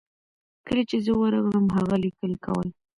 کله چې زه ورغلم هغه لیکل کول.